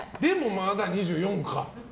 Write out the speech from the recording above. まだ２４か。